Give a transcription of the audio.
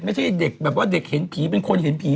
ไม่ใช่เด็กเห็นผีเป็นคนเห็นผีหรอ